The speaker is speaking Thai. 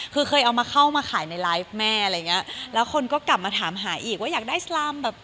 คือเคยเอามาเข้ามาขายในไลฟ์แม่อะไรอย่างเงี้ยแล้วคนก็กลับมาถามหาอีกว่าอยากได้สลามแบบ